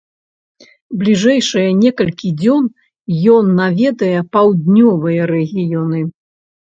Бліжэйшыя некалькі дзён ён наведае паўднёвыя рэгіёны.